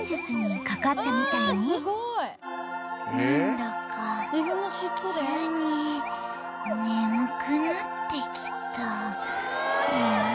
なんだか急に眠くなってきたニャ。